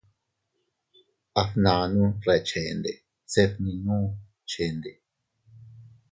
A nannu reʼe chende se fninduu chende.